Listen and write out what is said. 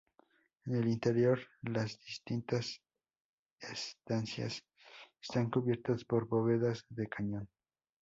En el interior, las distintas estancias están cubiertas por bóvedas de cañón.